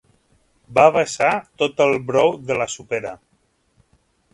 Va vessar tot el brou de la sopera.